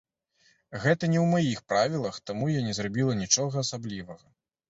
Гэта не ў маіх правілах, таму я не зрабіла нічога асаблівага.